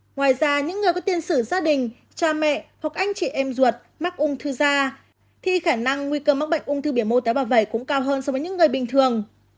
ngoài ra những người có tiền sử gia đình cha mẹ hoặc anh chị em ruột mắc ung thư da thì khả năng nguy cơ mắc bệnh ung thư biểu mô tế bào vẩy cũng cao hơn so với những người bình thường